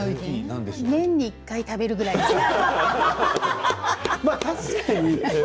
年に１回、食べるぐらいですね。